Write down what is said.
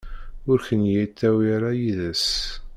Ur ken-yettawi ara yid-s.